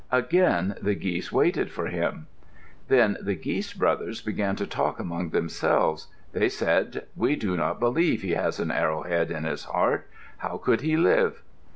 Again the geese waited for him. Then the Geese Brothers began to talk among themselves. They said, "We do not believe he has an arrowhead in his heart. How could he live?"